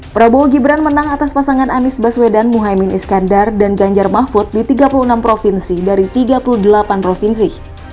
prabowo gibran menang atas pasangan anies baswedan muhaymin iskandar dan ganjar mahfud di tiga puluh enam provinsi dari tiga puluh delapan provinsi